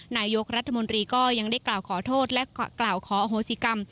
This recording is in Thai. นายกรัฐมนตรีก็ยังได้กล่าวขอโทษและกล่าวขออโหสิกรรม